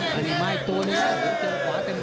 สฤมีพ่ามีตัวนี้ถือขวาเต็ม